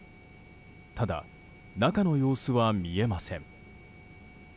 ただ、中の様子は見えません。